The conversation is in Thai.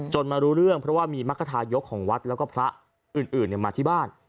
มารู้เรื่องเพราะว่ามีมรรคทายกของวัดแล้วก็พระอื่นมาที่บ้าน